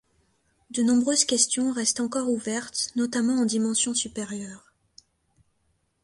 De nombreuses questions restent encore ouvertes notamment en dimension supérieure.